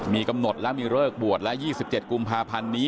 มีกำหนดแล้วมีเริกบวชแล้วยี่สิบเจ็ดกุมภาพันธุ์นี้